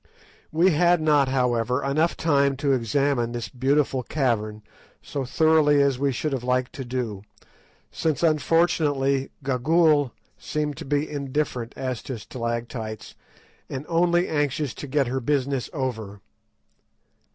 We had not, however, enough time to examine this beautiful cavern so thoroughly as we should have liked to do, since unfortunately, Gagool seemed to be indifferent as to stalactites, and only anxious to get her business over.